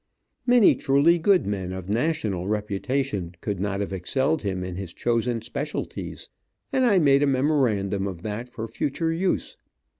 Many truly good men of national reputation, could not have excelled him in his chosen specialties, and I made a memorandum of that for future use.